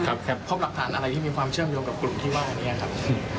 ครับครับพบหลักฐานอะไรที่มีความเชื่อมโยงกับกลุ่มที่ว่าวันนี้ครับ